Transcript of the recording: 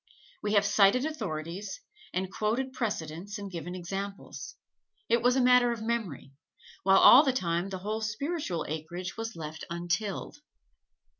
We have cited authorities and quoted precedents and given examples: it was a matter of memory; while all the time the whole spiritual acreage was left untilled.